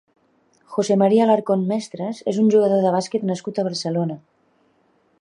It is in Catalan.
José María Alarcón Mestres és un jugador de bàsquet nascut a Barcelona.